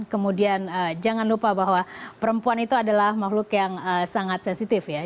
kemudian jangan lupa bahwa perempuan itu adalah makhluk yang sangat sensitif ya